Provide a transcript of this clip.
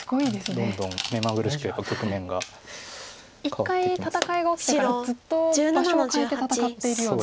一回戦いが起きてからずっと場所を変えて戦っているような。